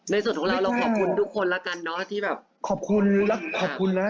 ในส่วนของเราเราขอบคุณทุกคนแล้วกันเนอะที่แบบขอบคุณขอบคุณนะ